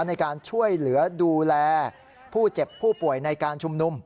ในการช่วยเหลือดูแลผู้เจ็บผู้ป่วยในการชุมนุม